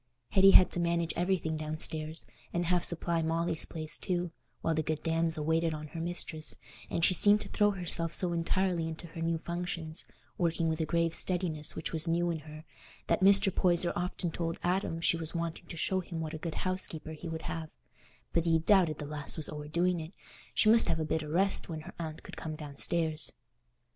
Hetty had to manage everything downstairs, and half supply Molly's place too, while that good damsel waited on her mistress, and she seemed to throw herself so entirely into her new functions, working with a grave steadiness which was new in her, that Mr. Poyser often told Adam she was wanting to show him what a good housekeeper he would have; but he "doubted the lass was o'erdoing it—she must have a bit o' rest when her aunt could come downstairs."